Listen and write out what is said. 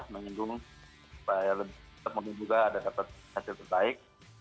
mengindung supaya tetap membungkuk ada dapat hasil terbaik